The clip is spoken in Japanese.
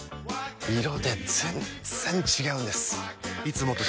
色で全然違うんです！